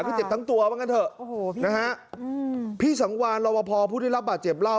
ก็เจ็บทั้งตัวบ้างกันเถอะพี่สังวานรอบพอผู้ได้รับบาดเจ็บเหล้า